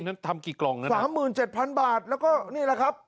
นั่นทำกี่กล่องน่ะสามหมื่นเจ็ดพันบาทแล้วก็นี่แหละครับ